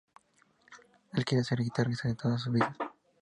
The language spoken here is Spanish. Él quería ser un guitarrista de toda su vida.